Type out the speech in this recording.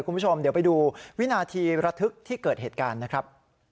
คุณผู้ชมเดี๋ยวไปดูวินาทีระทึกที่เกิดเหตุการณ์นะครับ